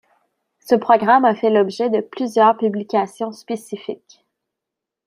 Ce programme a fait l’objet de plusieurs publications spécifiques.